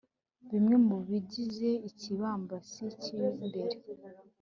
bimwe mu bigize ikibambasi cy'imbere